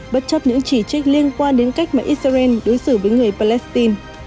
bất chấp những chỉ trích liên quan đến cách mà israel đối xử với người palestine